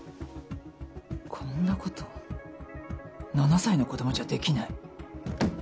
こんなこと７歳の子供じゃできない。